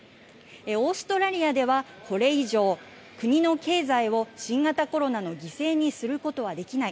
オーストラリアではこれ以上、国の経済を新型コロナの犠牲にすることはできない。